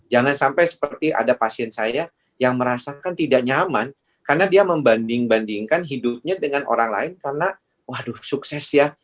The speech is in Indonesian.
jangan sampai seperti ada pasien saya yang merasakan tidak nyaman karena dia membanding bandingkan hidupnya dengan orang lain karena waduh sukses ya